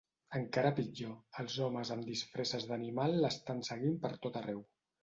Encara pitjor, els homes amb disfresses d'animal l'estan seguint per tot arreu.